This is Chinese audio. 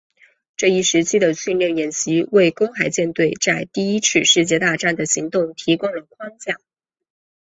这一时期的训练演习为公海舰队在第一次世界大战的行动提供了框架。